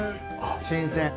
新鮮。